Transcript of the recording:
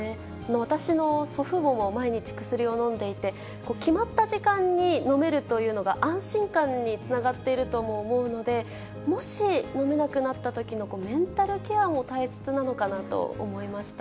私の祖父母も毎日薬を飲んでいて、決まった時間に飲めるというのが、安心感につながっているとも思うので、もし、飲めなくなったときのメンタルケアも大切なのかなと思いました。